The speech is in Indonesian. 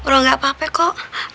roh gak apa apa kok